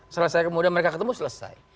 selesai kemudian mereka ketemu selesai